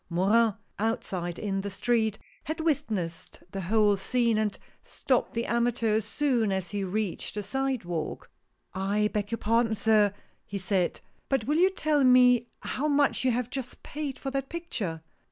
Morin, outside in the street, had witnessed the whole scene, and stopped the amateur as soon^as he reached the sidewalk. " I beg your pardon, sir," he said, " but will you tell me how much you have just paid for that picture."